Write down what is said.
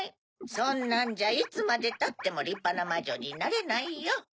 そんなんじゃいつまでたってもりっぱなまじょになれないよ。